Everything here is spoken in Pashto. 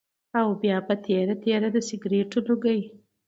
او بيا پۀ تېره تېره د سګرټو لوګی